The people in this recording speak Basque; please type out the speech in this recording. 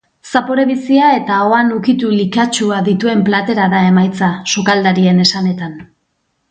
Zapore bizia eta ahoan ukitu likatsua dituen platera da emaitza, sukaldarien esanetan.